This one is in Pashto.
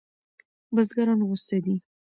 بزګران غوسه دي.